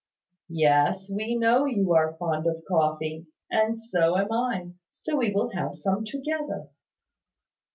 "Yes: we know you are fond of coffee; and so am I. So we will have some together."